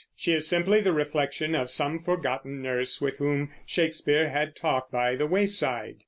She is simply the reflection of some forgotten nurse with whom Shakespeare had talked by the wayside.